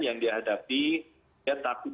yang dihadapi dia takut